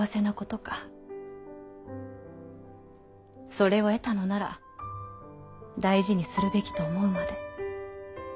それを得たのなら大事にするべきと思うまで。